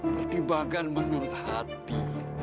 pertimbangan menurut hati